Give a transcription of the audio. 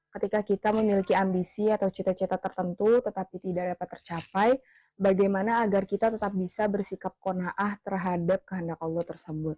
ketika kita memiliki ambisi atau cita cita tertentu tetapi tidak dapat tercapai bagaimana agar kita tetap bisa bersikap ⁇ konaah ⁇ terhadap kehendak allah tersebut